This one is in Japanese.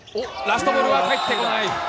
ラストボールは返ってこない。